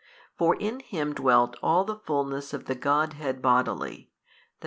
For in Him dwelt all the fulness of the Godhead bodily, i.